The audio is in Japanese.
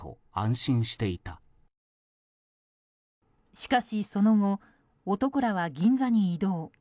しかし、その後男らは銀座に移動。